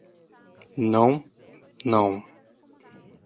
Não, não